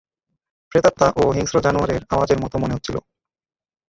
প্রেতাত্মা ও হিংস্র জানোয়ারের আওয়াজের মত মনে হচ্ছিল।